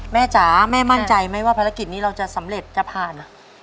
จ๋าแม่มั่นใจไหมว่าภารกิจนี้เราจะสำเร็จจะผ่าน